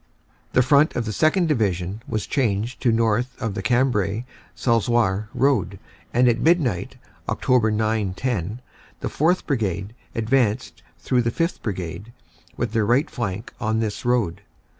The front of the 2nd. Division was changed to north of the Cambrai Salzoir road, and at midnight, Oct. 9 10, the 4th. Brigade advanced through the 5th. Brigade, with their right flank on this road.